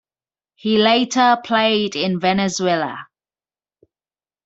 He later played in Venezuela.